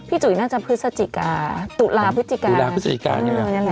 พี่จุ๋ยน่าจะพฤศจิกาตุระพฤศจิกาตุระพฤศจิกาอย่างนั้นแหละ